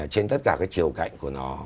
trên tất cả cái chiều cạnh của nó